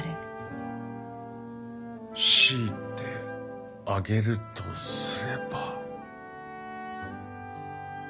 強いて挙げるとすれば。